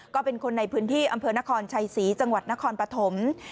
ก็เป็นคนในพื้นที่อำเภอนครชัยศรีจังหวัดนครปฐม